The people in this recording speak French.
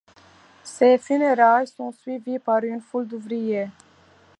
Ses funérailles sont suivies par une foule d'ouvriers.